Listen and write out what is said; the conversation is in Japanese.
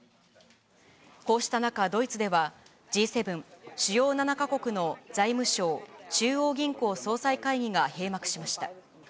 こうした中、ドイツではＧ７・主要７か国の財務相・中央銀行総裁会議が閉幕しました。